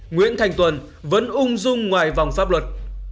nguyễn thành tuần vẫn ung dung ngoài vòng pháp luật